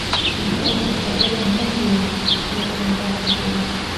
داسي خبري مه کوئ! چي خلک خندا پر کوي.